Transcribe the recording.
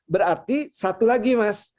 berarti satu lagi mas